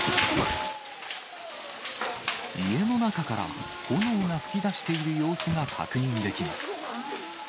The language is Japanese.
家の中から炎が噴き出している様子が確認できます。